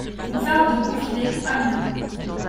Boulevard de Beauvillé, Amiens